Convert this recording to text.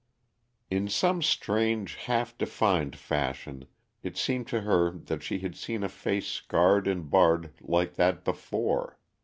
In some strange, half defined fashion it seemed to her that she had seen a face scarred and barred like that before.